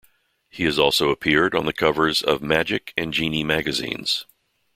He has also appeared on the covers of "Magic" and "Genii" magazines.